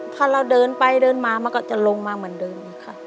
ถ้าเราเดินไปเดินมามันก็จะลงมาเหมือนเดิมค่ะ